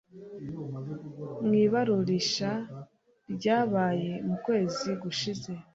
Mu iburanisha ryabaye mu kwezi gushize